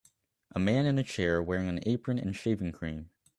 A man in a chair wearing an apron and shaving cream